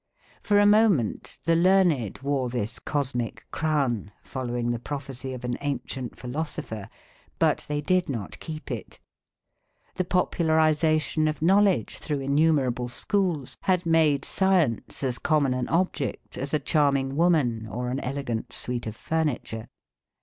For a moment the learned wore this cosmic crown, following the prophecy of an ancient philosopher, but they did not keep it. The popularisation of knowledge through innumerable schools had made science as common an object as a charming woman or an elegant suite of furniture.